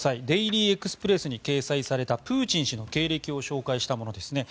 デイリー・エクスプレスに掲載されたプーチン氏の経歴を紹介したものです。